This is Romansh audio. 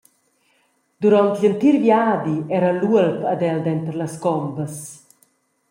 Duront gl’entir viadi era l’uolp ad el denter las combas.